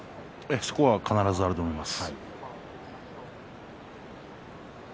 そこは必ずあると思います。